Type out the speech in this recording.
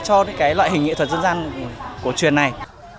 cho cái loại hình nghệ thuật dân gian cổ truyền này